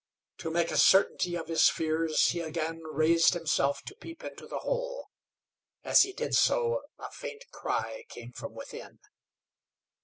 To make a certainty of his fears, he again raised himself to peep into the hole. As he did so a faint cry came from within.